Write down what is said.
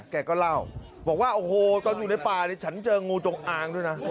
แกก็เล่าบอกว่าโอ้โหตอนอยู่ในป่าเนี่ยฉันเจองูจงอางด้วยนะ